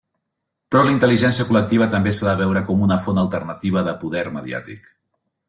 Però la intel·ligència col·lectiva també s'ha de veure com una font alternativa de poder mediàtic.